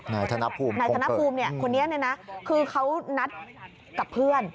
นายธนภูมิคงเกิดนายธนภูมิเนี่ยคนนี้เนี่ยนะคือเขานัดกับเพื่อน